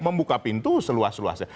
membuka pintu seluas luasnya